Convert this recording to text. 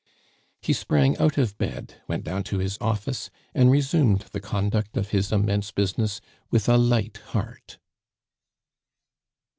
He sprang out of bed, went down to his office, and resumed the conduct of his immense business with a light heart.